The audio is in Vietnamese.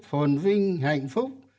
phồn vinh hạnh phúc